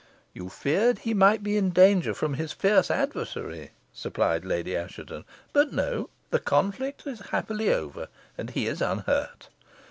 "You feared he might be in danger from his fierce adversary," supplied Lady Assheton; "but no. The conflict is happily over, and he is unhurt."